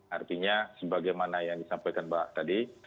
artinya sebagaimana yang disampaikan mbak tadi